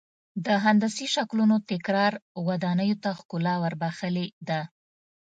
د هندسي شکلونو تکرار ودانیو ته ښکلا ور بخښلې ده.